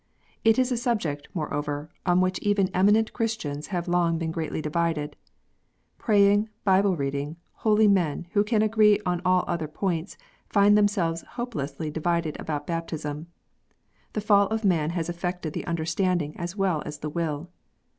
It is a subject, moreover, on which even eminent Christians have long been greatly divided. Praying, Bible reading, holy men, who can agree on all other points, find themselves hope lessly divided about baptism. The fall of man has affected the understanding as well as the will.